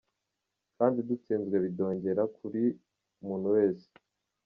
Kandi dutsinzwe bidogera buri muntu wese.